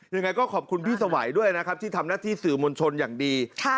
ยังไงก็ขอบคุณพี่สวัยด้วยนะครับที่ทำหน้าที่สื่อมวลชนอย่างดี